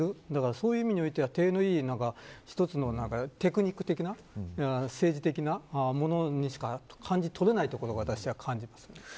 そういう意味では体のいい一つのテクニック的な、政治的なものにしか感じ取れないところがあります。